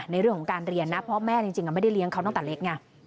ในเรื่องของการเรียนนะเพราะแม่จริงไม่ได้เลี้ยงเขาตั้งแต่เล็กไง